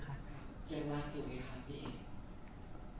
เจ๊รักอยู่ไหมคะเจ๊